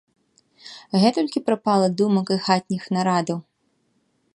Гэтулькі прапала думак і хатніх нарадаў?